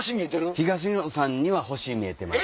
東野さんには星見えてます。